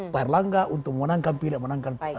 pak erlangga untuk menangkan pilihan